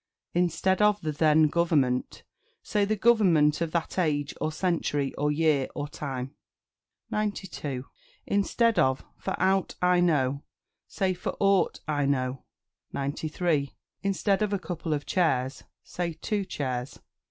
Instead of "The then government," say "The government of that age, or century, or year, or time." 92. Instead of "For ought I know," say "For aught I know." 93. Instead of "A couple of chairs," say "Two chairs."